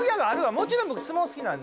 もちろん僕相撲好きなんで。